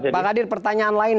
pak kadir pertanyaan lain